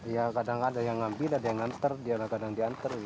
ya kadang ada yang ngambil ada yang ngantar kadang diantar